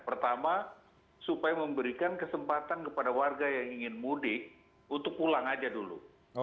pertama supaya memberikan kesempatan kepada warga yang ingin mudik untuk pulang aja dulu